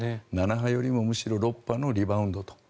７波よりもむしろ６波のリバウンドと。